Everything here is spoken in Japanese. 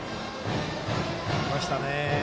きましたね。